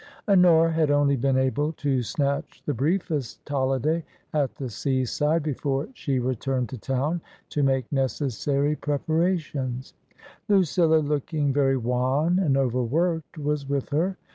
Honora had only been able to snatch the briefest holiday at the sea side before she returned to town to make necessary preparations ; Lucilla looking very wan and overworked was with her.